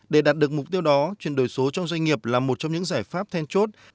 để đạt được mục tiêu đó chuyển đổi số trong doanh nghiệp là một trong những giải pháp then chốt